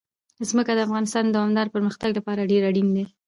ځمکه د افغانستان د دوامداره پرمختګ لپاره ډېر اړین دي.